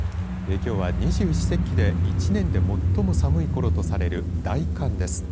きょうは二十四節気で最も一番寒いころとされる大寒です。